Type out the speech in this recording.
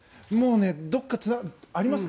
どこかありますか？